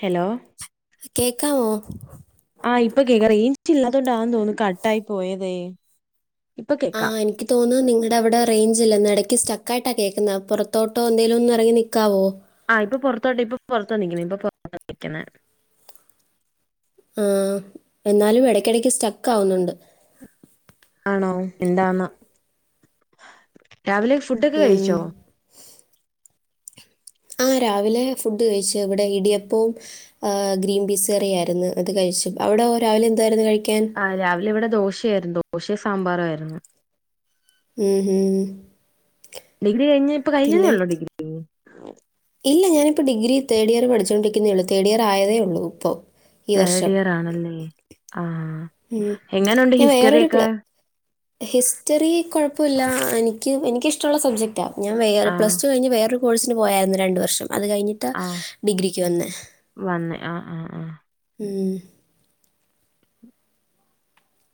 Hello കേക്കാവോ ആഹ് ഇപ്പൊ കേക്കാ റേഞ്ച് ഇല്ലാത്തത് കൊണ്ടാന്ന് തോന്നുന്നു കട്ട് ആയി പോയതേ ഇപ്പൊ കേക്കാം ആഹ് എനിക്ക് തോന്നുന്നു നിങ്ങളുടെ അവിടെ റേഞ്ച് ഇല്ല ഇടയ്ക്ക് സ്റ്റക്കായിട്ടാണ് കേൾക്കുന്നത് പുറത്തോട്ടോ എന്തേലും ഒന്ന് ഇറങ്ങി നിൽക്കാമോ ആഹ് ഇപ്പൊ പുറത്തോട്ട് ഇപ്പൊ പുറത്താ നിക്കുന്നു ഇപ്പ പുറത്താ നിക്കുന്ന് ആഹ് എന്നാലും ഇടക്കിടക്ക് സ്റ്റക്ക് ആവുന്നുണ്ട് ആണോ എന്താന്ന രാവിലെ ഫുഡൊക്കെ ഉം. കഴിച്ചോ ആഹ് രാവിലെ ഫുഡ് കഴിച്ച് ഇവിടെ ഇടിയപ്പവും ഗ്രീൻ പീസ് കറിയായിയിരുന്നു അത് കഴിച്ചു അവിടെ രാവിലെ എന്തായിരുന്നു കഴിക്കാൻ ആഹ് രാവിലെ ഇവിടെ ദോശയായിരുന്നു ദോശേ സാമ്പാറും ആയിരുന്നു ഉം ഉം ഡിഗ്രി കഴിഞ്ഞു ഇപ്പം കഴിഞ്ഞതേ പിന്നെ ഉള്ളു ഡിഗ്രി ഇല്ല ഞാനിപ്പോൾ ഡിഗ്രി തേഡ് ഇയർ പഠിച്ചുകൊണ്ടിരിക്കുന്നതേ ഉള്ളൂ തേർഡ് ഇയർ ആയതേയുള്ളൂ ഇപ്പോൾ ഈ തേർഡ് വർഷം ഇയർ ആണല്ലേ ആഹ് ഉം. എങ്ങനുണ്ട് ഞാൻ ഹിസ്റ്ററി വേറൊരു ഒക്കെ പ്ല ഹിസ്റ്ററി കുഴപ്പമില്ല എനിക്ക് എനിക്കിഷ്ടമുള്ള സബ്ജക്ട് ഞാൻ ആഹ് പ്ലസ് ടു കഴിഞ്ഞ് വേറൊരു കോഴ്സിന് പോയിരുന്നു രണ്ട് വർഷം അത് കഴിഞ്ഞ് ട്ടാ ആഹ് ഡിഗ്രിക്ക് വന്നേ വന്ന് ആഹ് ആഹ് ആഹ് ഉം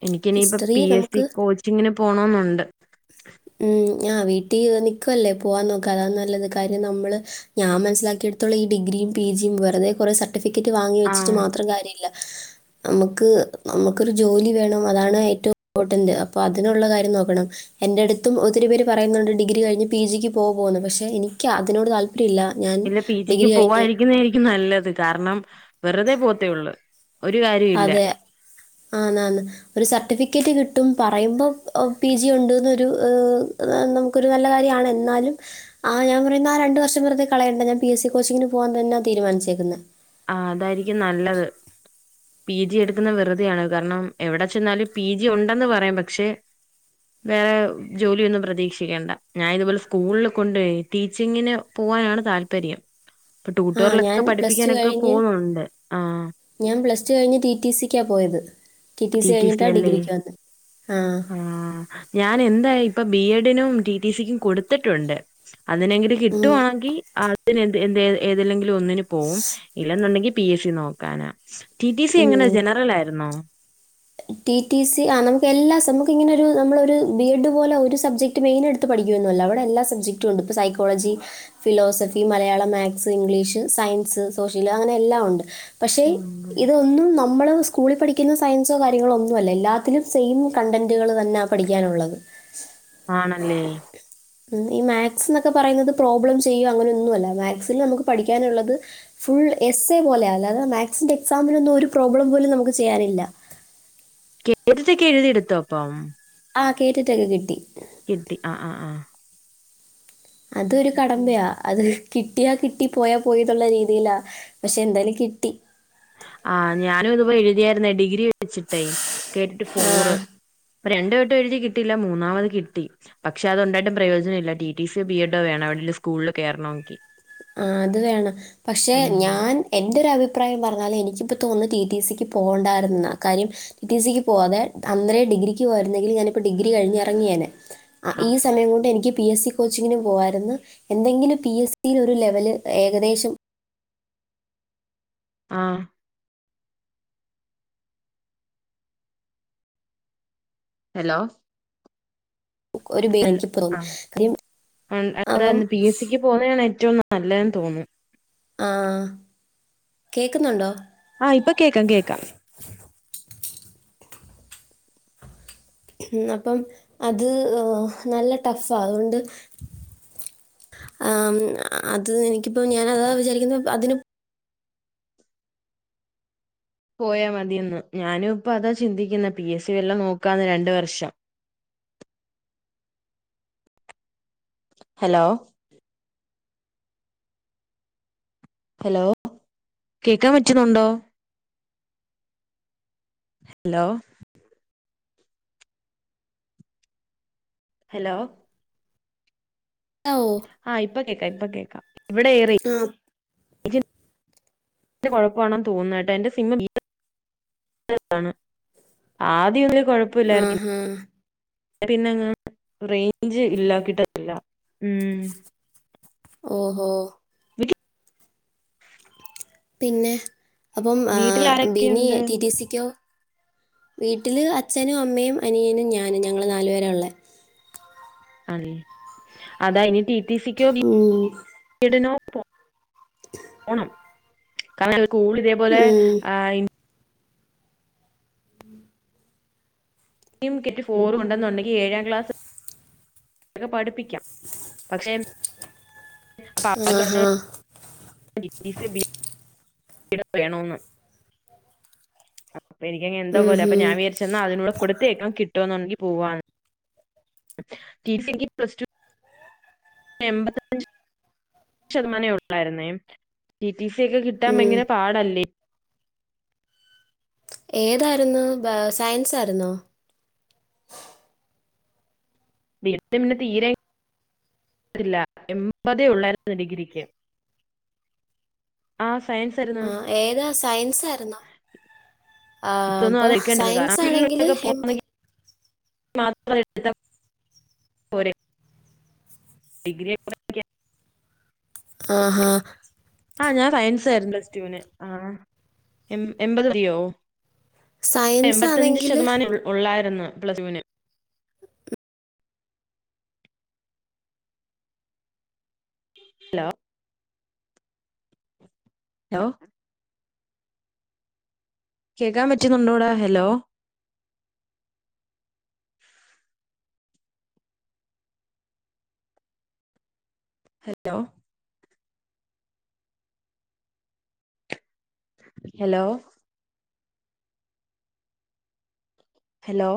എനിക്കനിയിപ്പ ഹിസ്റ്ററി പി എസ് സി നമുക്ക് കോച്ചിങ്ങിന് പോണെന്നുണ്ട് ഉം ആഹ് വീട്ടിൽ നിക്കുവല്ലേ പോവാൻ നോക്കാ അതാ നല്ലത് കാര്യം നമ്മള് ഞാൻ മനസിലാക്കിയെടുത്തോളം ഈ ഡിഗ്രിയും പി ജിയും വെറുത കുറെ സർട്ടിഫിക്കറ്റ് വാങ്ങി വച്ചിട്ട് ആഹ് മാത്രം കാര്യമില്ല നമുക്ക് നമുക്കൊരു ജോലി വേണം അതാണ് ഏറ്റവും ഇമ്പോർട്ടൻറ് അപ്പോൾ അതിനുള്ള കാര്യം നോക്കണം എന്റെ അടുത്തും ഒത്തിരി പേര് പറയുന്നുണ്ട് ഡിഗ്ര കഴിഞ്ഞ് പി ജിക്ക് പോകുന്നു പക്ഷെ എനിക്ക് അതിനോട് താല്പര്യം ര്യം ഇല്ല ഞാൻ ഡിഗ്രി കഴിഞ്ഞ് രിക്കുന്നത് നല്ലത് കാരണം വെറുതെ പോത്തേ ഉള്ളൂ അതെ ആന്ന് ആന്ന് ഒരു സർട്ടിഫിക്കറ്റ് കിട്ടും പറയുമ്പോ പി ജി ഉണ്ട്ന്നൊരു നമുക് ക്കൊരു നല്ല കാര്യാണ് എന്നാലും ആ ഞാൻ പറയുന്നാ രണ്ട് വർഷം വെറുതെ കളയണ്ട ഞാൻ പി എസ്സി കോച്ചിങ്ങിന് പോവാൻ തന്നാ തീരുമാനിച്ചേക്കുന്നത് ആ അതായിരിക്കും നല്ലത് പി ജി എടുക്കുന്ന വെറുതെയാണ് കാരണം എവിടെ ചെന്നാലും പി ജി ഉണ്ടെന്ന് പറയാം പക്ഷെ വേറെ ജോലിയൊന്നും പ്രതീക്ഷിക്കേണ്ട ഞാൻ ഇതുപോലെ സ്കൂൾല് കൊണ്ടോയ് ടീച്ചിങ്ങിന് പോവാനാണ് താല്പര്യം ഇപ്പൊ ടൂട്ടോർലൊക്കെ പഠിപ്പിക്കാനൊക്കെ എ പോകുന്നുണ്ട് ആ ഞാൻ പ്ലസ്ടു കഴിഞ് ടി ടി സിക്കാ പോയത് ടി ടി സി കഴിഞ്ഞിട്ടാ ഡിഗ്രിക്ക് വന്ന് ആ ആഹ് ഞാൻ ഇന്ന് പ്പൊ ബി എഡിനും ടി ടി സിക്കും കൊടുത്തിട്ടുണ്ട് അതിനെങ്കിൽ മ്മ്. കിട്ടുവാങ്കി [unintelligible] എ ഏതില്ലെങ്കിലും ഒന്നിന് പോവും ഇല്ലന്നുണ്ടെങ്കി പി എ സ്സി നോക്കാന ടി ടി സി എങ്ങന മ്മ്. ജനറലായിരുന്നോ ടി ടി സി ആ നമുക്ക് എല്ലാ നമുക്ക്ങ്ങനൊരു നമ്മളൊരു ബി എഡ് പോലെ ഒരു സബ്ജക്ട് റ്റ് മെയിനെട്ത്ത് പഠിക്കൊന്നല്ല അവടെ എല്ലാ സബ്ജക്റ്റും ണ്ട് പ്പോ psychology philosophy, Malayalam, maths, English, science, social അങ്ങനെ എല്ലാം ഉണ്ട് പക്ഷെ ആന്ന് ഇതൊന്നും നമ്മൾ സ്കൂളി പഠിക്കുന്ന സയ ൻസോ കാര്യങ്ങളൊന്നു അല്ല എല്ലാത്തിലും സെയിം കണ്ടന്റുകള് തന്ന പഠിക്കാനുള്ളത് ആണല്ലേ ഈ മാത്സ്ന്നൊക്കെ പറയുന്നത് പ്രോബ്ലം ചെയ്യും അങ്ങനൊന്നു അല്ല മാത്സില് നമ്മക്ക് പഠിക്കാനുള്ളത് ഫുൾ എസ്സെ പോലെയാ അല്ലാതെ മാക്സിൻ്റെ എക്സാമിനൊന്നും ഒരു പ്രോബ്ലം പോലും നമുക്ക് ചെയ്യാനില്ല [unintelligible] എഴുതി ട്ത്തോ അപ്പം ആഹ് കേട്ട്ട്ടൊക്കെ കിട്ടി കിട്ടി ആ ആ ആ അതൊരു കടമ്പയാ അത് കിട്ട്യാ കിട്ടി പോയാ പോയിന്നുള്ള രീതിലാ പക്ഷേ എന്തായാലും കിട്ടി ആ ഞാനും ഇതു പോലെ എഴുതിയായിരുന്നേ ഡിഗ്രി വെച്ചിട്ടേ കേട്ടിട്ട് ആ. ഫോറ് രണ്ടു വട്ടം എഴുതി കിട്ടില്ല മൂന്നാമത് കിട്ടി പക്ഷെ അതൊണ്ടായിട്ടും പ്രയോജനല്ല ടി ടി സിയോ ബി എഡോ വേണം എവെടെലും സ്കൂളില് കേറണെങ്കി ആ അത് വേണം പക്ഷെ ഞാൻ എൻ്റെ ഒരുരഭിപ്രായം പർഞ്ഞാല് എനിക്കിപ്പോം തോന്ന് ടി ടി സിക്ക് പോണ്ടാര്ന്നുന്ന കാര്യം ടി ടി സിക്ക് പോവാതെ അന്നേരം ഡിഗ്രിക്ക് പോയിരുന്നെങ്കി ഞാനിപ്പോ ഡിഗ്രി കഴിഞ് എറങ്ങിയേനെ ആ ഈ ആഹ് സമയം കൊണ്ട് എനിക്ക് പി എസ്സി കോച്ചിങ്ങിനും പോവായിരുന്നു എന്തെങ്കിലും പി എസ്സില് ഒരു ലെവല് ഏകദേശം ആ ഹലോ ഒരു ബേ അല്ല എനിക്കിപ്പോ ആ തോന്നുന്നു. കാര്യം അവൻ [unintelligible] പി എസ്സിക്കും പോന്നാണ് ഏറ്റവും നല്ലതെന്ന് തോന്നു ആ കേക്കുന്നുണ്ടോ ആ ഇപ്പൊ കേക്കാം കേക്കാം ന്നപ്പം അത് നല്ല ടഫാ അതോണ്ട് ആ അത് എനിക്കിപ്പോ ഞാനതാ വിചാരിക്കുന്നത് അതിന് പോയാ മതിന്ന് ഞാനും ഇപ്പതാ ചിന്തിക്കുന്നെ പി എസ്സി വല്ലോം നോക്കാന്ന് രണ്ട് വർഷം ഹലോ ഹലോ കേക്കാൻ പറ്റുന്നുണ്ടോ ഹലോ ഹലോ [unintelligible] ആഹ് ഇപ്പ കേൾക്കാം ഇപ്പൊ കേൾക്കാം ഇവിടെ ഏറെ ആഹ് [unintelligible] കുഴപ്പാണെന്ന് തോന്ന ട്ട് എന്റെ സിമ്മ് [unintelligible] [unintelligible] ആദ്യം ഒതിന് കുഴപ്പ ഉം ഹു പിന്നെ ന്ന റേഞ്ച് ഇല്ലാക്കിട്ടില്ല ഉം ഓഹ് ഹോ പിന്നെ അപ്പം വീട്ടിൽ ഏഹ് ബിനി ആരൊക്കെയുണ്ട് ടിടി സിക്കോ വീട്ടിൽ അച്ഛനും അമ്മയും അനിയനും ഞാനും ഞങ്ങൾ നാലു പേര ഉള്ള അതായിനി ടി ടി സിക്കോ ഉം. [unintelligible] പോലെ ഉം. ആഹ് ഇ ഇമ് കെറ്റ് ഫോറും ഉണ്ടെന്നുണ്ടെങ്കിൽ ഏഴാം ക്ലാസ്ക്കെ പഠിപ്പിക്കാം പക്ഷെ അപ്പൊ അവര് പറഞ്ഞ ആഹാ ടി ടി സി [unintelligible] വേണന്ന് അപ്പ എനിക്കങ്ങന എന്തോ ഉം പോലെ അപ്പ ഹും. ഞാൻ വിയാര് ചെന്നാ അതിനൂടെ കൊടുത്തെക്കൻ കിട്ടൊന്നുണ്ടെങ്കി പോവാന്ന് ടി സി ക് പ്ലസ് ടു എൺമ്പത്തഞ്ച് ശതമാനേ ഉള്ളായിരുന്നേ ടി ടി സി ഒക്കെ കിട്ടാൻ ഉം. ഭയങ്കര പാടല്ലേ ഏതായിരുന്നു സയൻസ് ആയിരുന്നോ [unintelligible] മിന്നെ തീരെ ഇല്ല എൺപതെ ഉള്ളാര്ന്നു ഡിഗ്രിക്ക് ആഹ് സയൻ ആഹ് ഏതാ സയൻസായിര്ന്നോ ആഹ് ഇപ്പൊന്നും അപ്പൊ അത് എടുക്കേണ്ടത് സയൻസ് കാരണം ആണെങ്കിൽ എൺപത് മാത്ര [unintelligible] ഡിഗ്രി [unintelligible] ആഹ് ഹാ ആഹ് ഞാൻ സയൻസ് ആയിരുന്നു പ്ലസ്റ്റ്യുവിന് ആഹ് എ എൺപത് തീയോ സയൻസ് എൺമ്പത്തഞ്ച് ആണെങ്കിൽ ശതമാനം ഉള്ളായിരുന്നു പ്ലസ്റ്റുന് ഹലോ ഹലോ കേക്കാൻ പറ്റുന്നുണ്ടോടാ ഹലോ ഹലോ ഹലോ ഹലോ